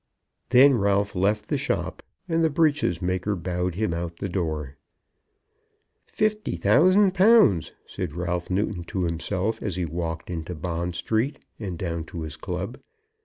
Then Ralph left the shop, and the breeches maker bowed him out of the door. "Fifty thousand pounds!" said Ralph Newton to himself, as he walked into Bond Street and down to his club.